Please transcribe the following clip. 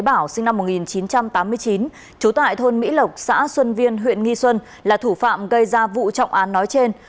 bảo sinh năm một nghìn chín trăm tám mươi chín trú tại thôn mỹ lộc xã xuân viên huyện nghi xuân là thủ phạm gây ra vụ trọng án nói trên